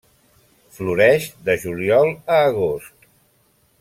Floreix de juliol a agost.